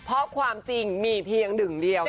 เพราะความจริงมีเพียงหนึ่งเดียว